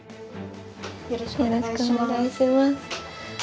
よろしくお願いします。